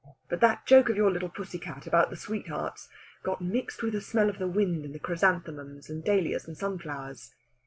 But that joke of your little pussycat about the sweethearts got mixed with the smell of the wind and the chrysanthemums and dahlias and sunflowers."